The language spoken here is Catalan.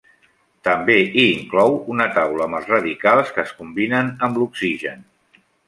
També hi inclou una taula amb els radicals que es combinen amb l'oxigen.